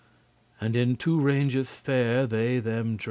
And *in two ranges faire they them dress*.